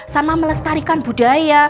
sama melestarikan budaya